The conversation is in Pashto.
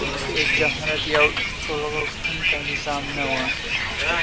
جمهوریت یو ټولغوښتونکی نظام نه و.